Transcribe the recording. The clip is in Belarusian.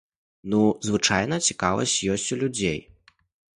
Ну, звычайна цікавасць ёсць у людзей.